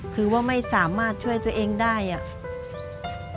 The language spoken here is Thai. คือว่าไม่สามารถช่วยตัวเองได้อ่ะ